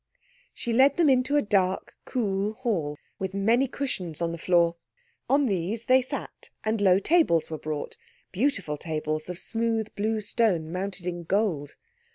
She led them into a dark, cool hall, with many cushions on the floor. On these they sat and low tables were brought—beautiful tables of smooth, blue stone mounted in gold.